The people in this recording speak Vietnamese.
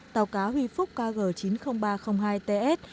tàu cá huy phúc kg chín mươi nghìn ba trăm linh hai ts